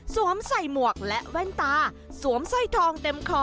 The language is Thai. สวมใส่หมวกและแว่นตาสวมสร้อยทองเต็มคอ